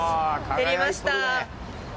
やりました。